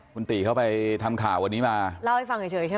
คุณติเข้าไปเท่ามการค่าว์วันนี้มา